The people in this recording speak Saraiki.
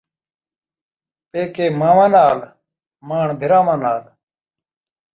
پیکے مانواں نال، ماݨ بھرانواں نال